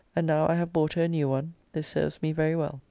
] and now I have bought her a new one, this serves me very well.